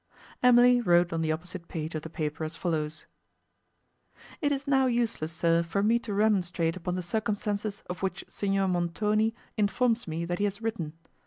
Emily wrote on the opposite page of the paper as follows: "It is now useless, sir, for me to remonstrate upon the circumstances of which Signor Montoni informs me that he has written.